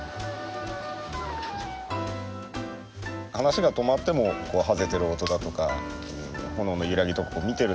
話が止まっても爆ぜてる音だとか炎の揺らぎとか見てるだけでも。